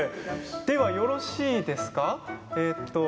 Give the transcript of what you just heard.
では、よろしいですか？